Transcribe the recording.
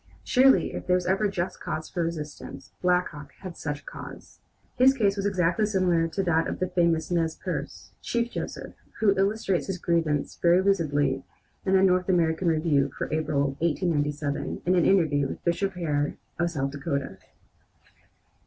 Surely if there was ever just cause for resistance, Black Hawk had such a cause. His case was exactly similar to that of the famous Nez Perce, Chief Joseph, who illustrates his grievance very lucidly in the North American Review for April, 1879, in an interview with Bishop Hare of South Dakota.